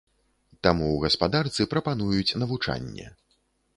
Таму ў гаспадарцы прапануюць навучанне.